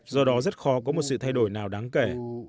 do đó rất khó có một sự thay đổi nào đáng kể